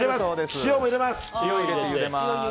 塩も入れます。